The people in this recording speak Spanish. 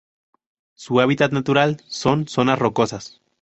Su hábitat natural son: zonas rocosas